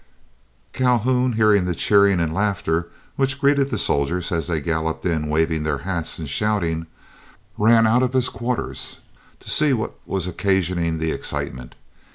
Calhoun, hearing the cheering and laughter which greeted the soldiers as they galloped in waving their hats and shouting, ran out of his quarters to see what was occasioning the excitement.